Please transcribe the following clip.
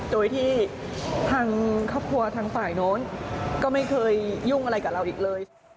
โดยที่ทางครอบครัวทางฝ่ายโน้นก็ไม่เคยยุ่งอะไรกับเราอีกเลย